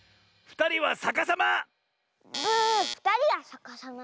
「ふたりはさかさま」だもん。